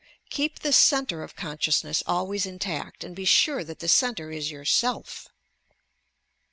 Keep the centre of con sciousness always intact and be sure that the centre is yourself